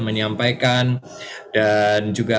menyampaikan dan juga